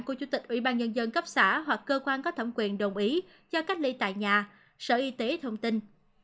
của chủ tịch ủy ban nhân dân cấp xã hoặc cơ quan có thẩm quyền đồng ý cho cách ly tại nhà sở y tế thông tin